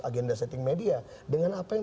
agenda setting media dengan apa yang